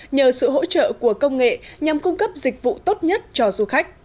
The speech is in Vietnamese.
nhờ sự hỗ trợ của công nghệ nhằm cung cấp dịch vụ tốt nhất cho du khách